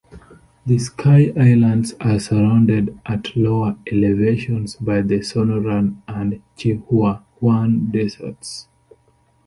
The sky islands are surrounded at lower elevations by the Sonoran and Chihuahuan deserts.